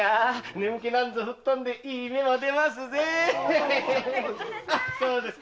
眠気なんて吹っ飛んでいい目も出ますぜ！